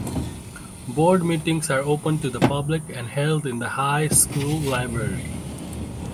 Board meetings are open to the public and held in the high school library.